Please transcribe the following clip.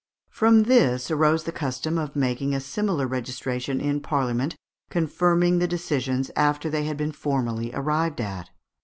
From this arose the custom of making a similar registration in Parliament, confirming the decisions after they had been formally arrived at.